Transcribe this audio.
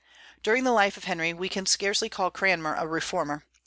During the life of Henry we can scarcely call Cranmer a reformer.